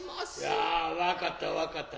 ああ分かった分かった。